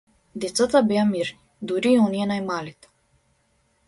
Децата беа мирни, дури и оние најмалите.